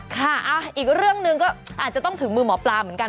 ค่ะอีกเรื่องหนึ่งก็อาจจะต้องถึงมือหมอปลาเหมือนกัน